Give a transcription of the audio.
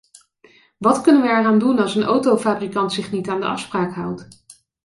Wat kunnen we eraan doen als een autofabrikant zich niet aan de afspraak houdt?